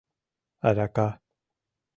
Арака